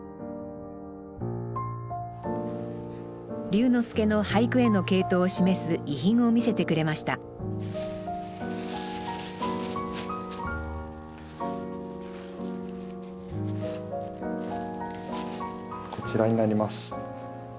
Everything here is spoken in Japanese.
龍之介の俳句への傾倒を示す遺品を見せてくれましたこちらになります。